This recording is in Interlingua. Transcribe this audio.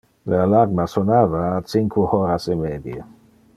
Le alarma sonava a cinque horas e medie.